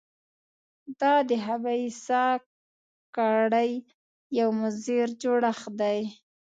دا د خبیثه کړۍ یو مضر جوړښت دی.